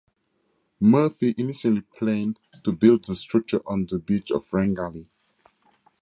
Murphy initially planned to build the structure on the beach of Rangali.